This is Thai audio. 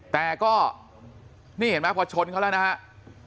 แต่ก็นี่เห็นไหมพอชนเขาแล้วนะครับ